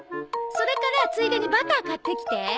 それからついでにバター買ってきて。